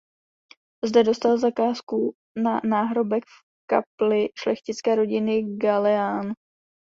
Zde dostal zakázku na náhrobek v kapli šlechtické rodiny Galléan.